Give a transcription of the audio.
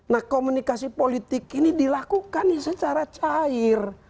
nah komunikasi politik ini dilakukan secara cair